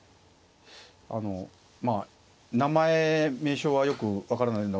あのまあ名前名称はよく分からない。